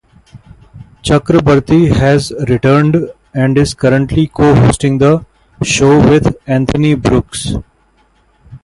Chakrabarti has returned, and is currently co-hosting the show with Anthony Brooks.